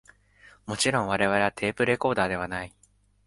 もちろん我々はテープレコーダーではない